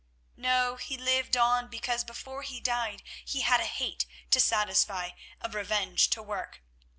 No, he lived on because before he died he had a hate to satisfy, a revenge to work.